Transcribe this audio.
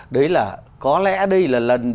đấy là có lẽ đây là lần đầu